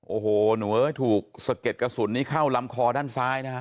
โอ้โหหนูเอ้ยถูกสะเก็ดกระสุนนี้เข้าลำคอด้านซ้ายนะฮะ